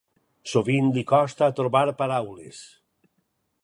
Sovint li costa trobar paraules.